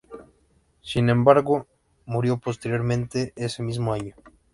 Sin embargo, murió posteriormente ese mismo año.